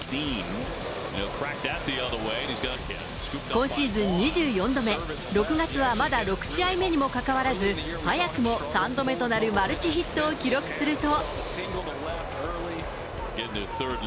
今シーズン２４度目、６月はまだ６試合目にもかかわらず、早くも３度目となるマルチヒットを記録すると。